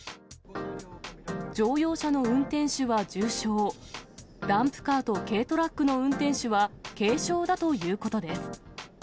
乗用車の運転手は重傷、ダンプカーと軽トラックの運転手は軽傷だということです。